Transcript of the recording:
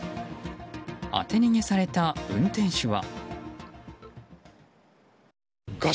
当て逃げされた運転手は。